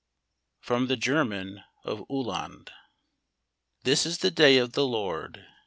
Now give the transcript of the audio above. {From the German of Uhland.) HIS is the day of the Lord.